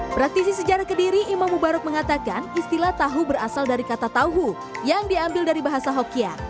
praktisi sejarah kediri imam mubarok mengatakan istilah tahu berasal dari kata tahu yang diambil dari bahasa hokia